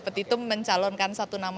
petitum mencalonkan satu nama